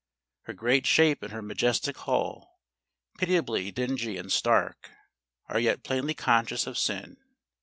Her great shape and her majestic hull, pitiably dingy and stark, are yet plainly conscious of sin.